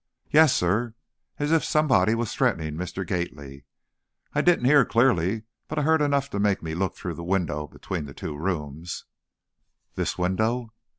"Yes, sir, as if somebody was threatening Mr. Gately. I didn't hear clearly, but I heard enough to make me look through the window between the two rooms " "This window?"